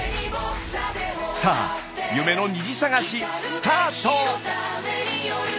さあ夢の虹探しスタート！